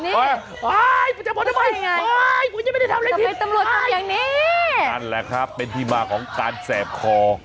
นี่จะบอกทำไมไปปุ๊ยยังไม่ได้ทำอะไรพี่ไปนั่นแหละครับเป็นที่มาของการแซบคอ